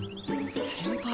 先輩。